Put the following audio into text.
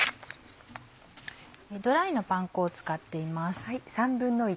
ドライのパン粉を使っています。